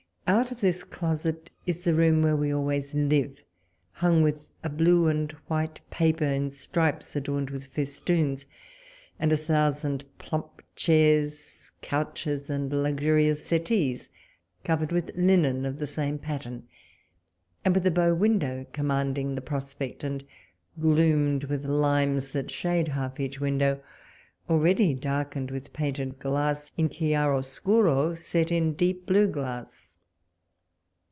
Out of this closet is the room where we always live, hung with a blue and white paper in stripes adorned with festoons, and a thousand plump chairs, couches, and luxurious settees covered with linen of the same pattern, and with a bow window commanding the prospect, and gloomed with limes that shade half each window, already darkened with painted glass in chiaroscuro, set in deep blue glass.